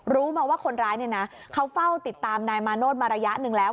รู้มาว่าคนร้ายเนี่ยนะเขาเฝ้าติดตามนายมาโนธมาระยะหนึ่งแล้ว